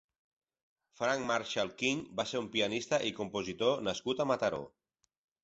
Frank Marshall King va ser un pianista i compositor nascut a Mataró.